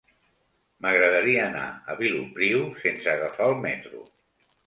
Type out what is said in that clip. M'agradaria anar a Vilopriu sense agafar el metro.